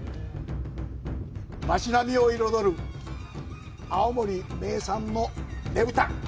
町並みを彩る青森名産の「ねぷた」。